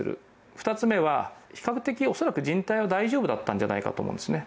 ２つ目は比較的、恐らくじん帯は大丈夫だったんじゃないかと思うんですね。